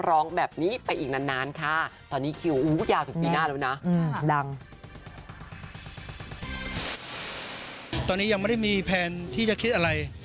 ตอนนี้ยังไม่ได้มีแพลนที่จะคิดอะไร